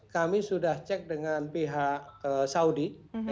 kami sudah cek dengan pihak saudi